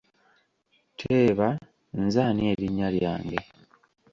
Teeba, nze ani erinnya lyange?